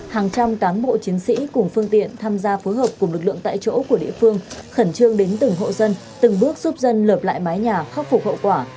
hàng trăm cán bộ chiến sĩ cùng phương tiện tham gia phối hợp cùng lực lượng tại chỗ của địa phương khẩn trương đến từng hộ dân từng bước giúp dân lợp lại mái nhà khắc phục hậu quả